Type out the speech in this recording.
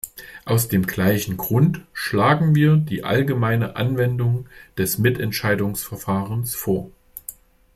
Aus dem gleichen Grund schlagen wir die allgemeine Anwendung des Mitentscheidungsverfahrens vor.